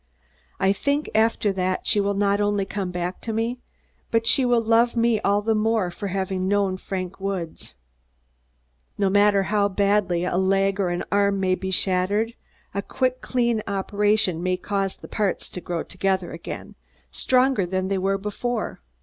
I think, after that, she will not only come back to me, but she will love me all the more for having known Frank Woods. No matter how badly a leg or an arm may be shattered, a quick, clean operation may cause the parts to grow together again, stronger than they were before.